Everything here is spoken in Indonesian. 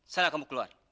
sana kamu keluar